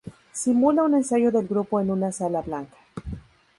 Simula un ensayo del grupo en una sala blanca.